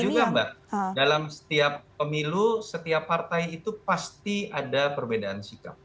juga mbak dalam setiap pemilu setiap partai itu pasti ada perbedaan sikap